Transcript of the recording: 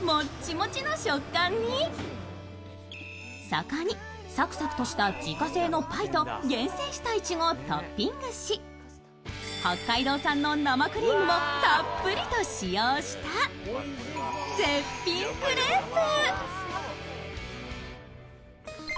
そこにサクサクとして自家製のパイと厳選したいちごをトッピングし、北海道産の生クリームをたっぷりと使用した絶品クレープ。